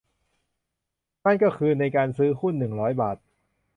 นั่นก็คือ ในการซื้อหุ้น หนึ่งร้อย บาท